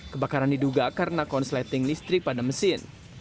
kebakaran diduga karena konsleting listrik pada mesin